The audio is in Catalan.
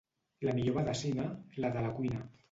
La millor medecina, la de la cuina.